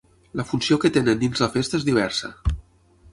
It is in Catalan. La funció que tenen dins la festa és diversa.